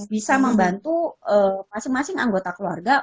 bisa membantu masing masing anggota keluarga